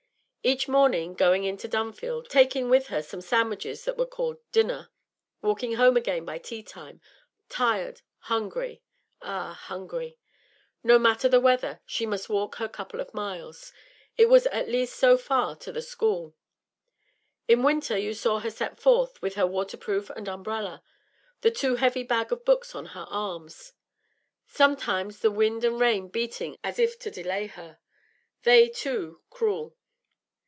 Each morning going into Dunfield, taking with her some sandwiches that were called dinner, walking home again by tea time, tired, hungry ah, hungry No matter the weather, she must walk her couple of miles it was at least so far to the school. In winter you saw her set forth with her waterproof and umbrella, the too heavy bag of books on her arm; sometimes the wind and rain beating as if to delay her they, too, cruel.